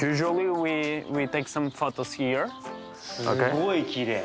すごいきれい。